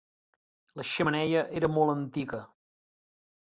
La xemeneia era molt antiga.